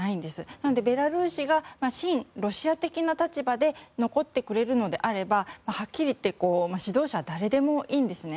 なので、ベラルーシが親ロシア的な立場で残ってくれるのであればはっきり言って指導者は誰でもいいんですね。